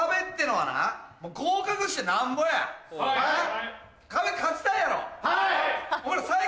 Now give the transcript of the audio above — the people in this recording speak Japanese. はい！